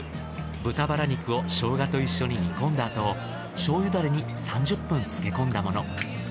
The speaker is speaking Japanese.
豚バラ肉をショウガと一緒に煮込んだあと醤油ダレに３０分漬け込んだもの。